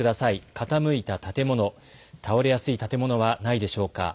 傾いた建物、倒れやすい建物はないでしょうか。